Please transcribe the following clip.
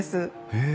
へえ。